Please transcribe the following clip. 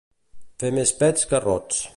Fer més pets que rots.